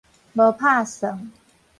無拍算